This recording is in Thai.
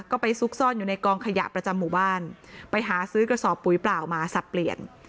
ก็ไปซุกซ่อนอยู่ในกองขยะประจำหมู่บ้านไปหาซื้อกระสอบปุ๋ยเปล่ามาสับเปลี่ยน